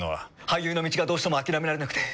俳優の道がどうしても諦められなくて。